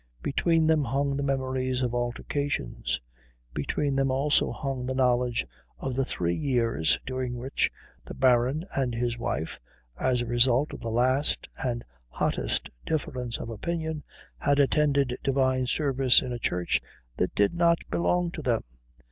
Between them hung the memories of altercations. Between them also hung the knowledge of the three years during which the Baron and his wife, as a result of the last and hottest difference of opinion, had attended Divine Service in a church that did not belong to them.